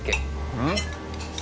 うん？